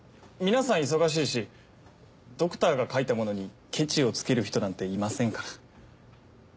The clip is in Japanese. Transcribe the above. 皆さん忙しいしドクターが書いたものにケチをつける人なんていませんから。